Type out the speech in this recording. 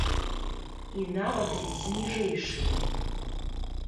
І нават з ніжэйшымі.